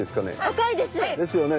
赤いです。ですよね。